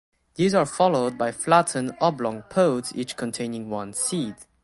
These are followed by flattened oblong pods each containing one seed.